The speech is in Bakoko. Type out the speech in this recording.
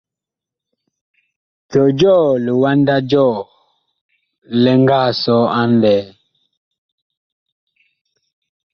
Jɔjɔɔ liwanda jɔɔ li nga sɔ a ŋlɛɛ ?